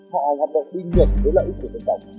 họ hoạt động đi nghiệp với lợi ích của tân tộc